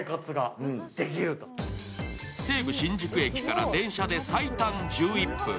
西武新宿駅から電車で最短１１分。